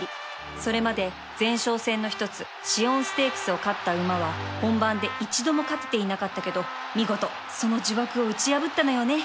それまで前哨戦の一つ紫苑ステークスを勝った馬は本番で一度も勝てていなかったけど見事その呪縛を打ち破ったのよね